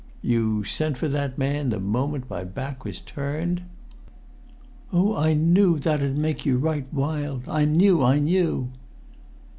"You sent for that man the moment my back was turned?" "Oh, I knew that'd make you right wild—I knew—I knew!"